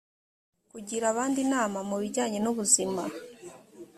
kugira abandi inama mu bijyanye n’ubuzima